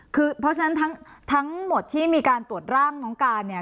คือเพราะฉะนั้นทั้งหมดที่มีการตรวจร่างน้องการเนี่ย